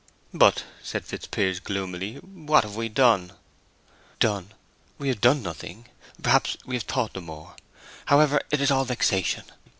"But," said Fitzpiers, gloomily, "what have we done?" "Done—we have done nothing. Perhaps we have thought the more. However, it is all vexation.